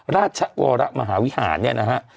ราชวรมหาวิหารเนี่ยนะฮะ